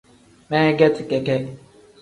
Meegeti keke.